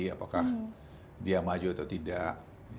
apakah dia maju atau tidak